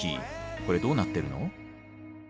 コレどうなってるの？